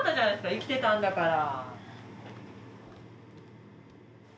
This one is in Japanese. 生きてたんだから。